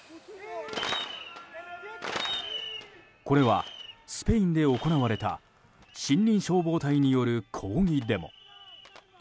これはスペインで行われた森林消防隊による抗議デモ。